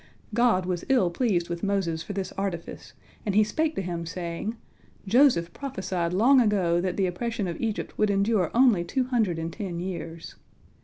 God was ill pleased with Moses for this artifice, and He spake to him, saying, "Joseph prophesied long ago that the oppression of Egypt would endure only two hundred and ten years."